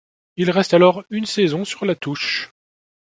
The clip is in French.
Il reste alors une saison sur la touche.